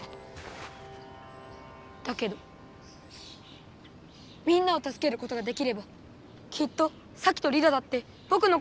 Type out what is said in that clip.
だけどみんなをたすけることができればきっとサキとリラだってぼくのこと。